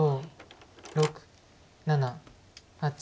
５６７８。